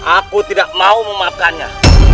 aku tidak mau memaafkannya